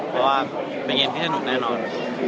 เพราะว่าไปเกมที่จะหนุ่มแน่นอน